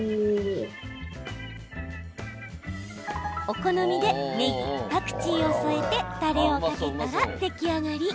お好みでねぎ、パクチーを添えてたれをかけたら出来上がり。